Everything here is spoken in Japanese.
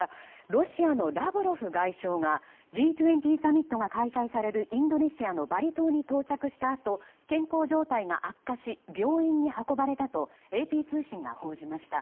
ロシアのラブロフ外相がＧ２０サミットが開催されるインドネシアのバリ島に到着したあと健康状態が悪化し病院に運ばれたとＡＰ通信が報じました。